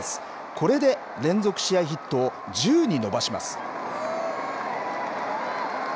これで、連続試合ヒットを１０に伸ばします。